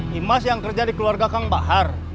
dimas yang kerja di keluarga kang bahar